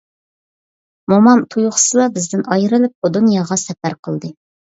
مومام تۇيۇقسىزلا بىزدىن ئايرىلىپ ئۇ دۇنياغا سەپەر قىلدى.